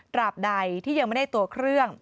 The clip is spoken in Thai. บใดที่ยังไม่ได้ตัวเครื่อง